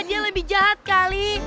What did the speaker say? dia lebih jahat kali